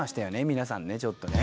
皆さんねちょっとね」